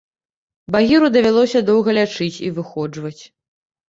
Багіру давялося доўга лячыць і выходжваць.